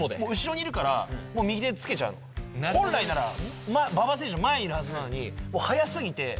本来なら馬場選手の前にいるはずなのに。